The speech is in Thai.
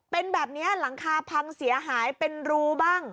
เป็นแบบนี้หลังคาพังเสียหายเป็นรูบ้าง